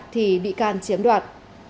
thì bị can chiếm đoạt